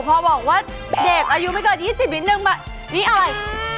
พอบอกว่าเด็กอายุไม่เกิน๒๐นิดนึงนี่อะไร